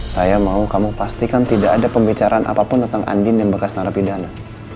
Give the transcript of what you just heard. saya mau kamu pastikan tidak ada pembicaraan apapun tentang andin yang bekas narapidana